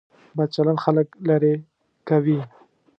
بد چلند خلک لرې کوي.